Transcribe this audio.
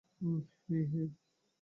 হেই, হেই!